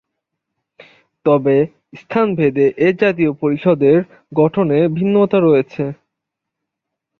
তবে, স্থানভেদে এ জাতীয় পরিষদের গঠনে ভিন্নতা রয়েছে।